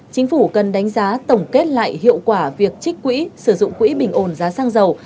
chính phủ cần đánh giá tổng kết lại hiệu quả việc trích quỹ sử dụng quỹ bình ồn giá sang giàu